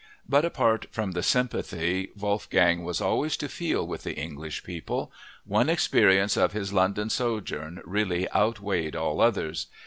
But apart from the sympathy Wolfgang was always to feel with the English people, one experience of his London sojourn really outweighed all others.